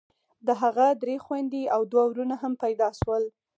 د هغه درې خويندې او دوه ورونه هم پيدا سول.